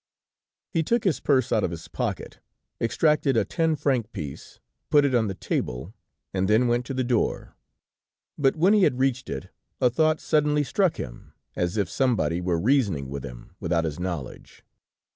He took his purse out of his pocket, extracted a ten franc piece, put it on the table, and then went to the door; but when he had reached it, a thought suddenly struck him, as if somebody were reasoning with him, without his knowledge.